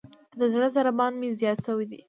د زړه ضربان مې زیات شوئ دی.